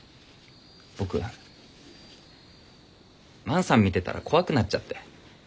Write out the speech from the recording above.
僕万さん見てたら怖くなっちゃって。